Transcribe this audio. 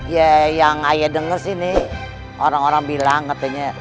ya yang ayah denger sini orang orang bilang katanya